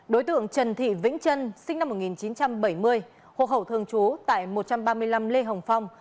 đối tượng trần thị vĩnh trân sinh năm một nghìn chín trăm bảy mươi hộ khẩu thường trú tại một trăm ba mươi năm lê hồng phong